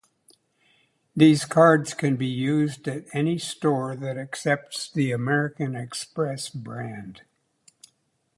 These cards can be used at any store that accepts the American Express brand.